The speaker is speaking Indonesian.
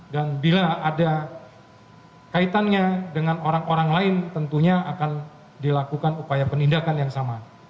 dan bila ada kaitannya dengan orang orang lain tentunya akan dilakukan upaya penindakan yang sama